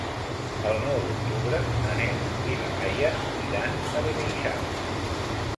El nou d'octubre na Neus i na Laia iran a Beneixama.